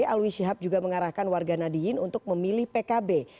alwi syihab juga mengarahkan warga nadiyin untuk memilih pkb